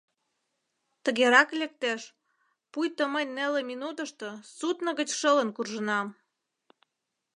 Тыгерак лектеш, пуйто мый неле минутышто судно гыч шылын куржынам.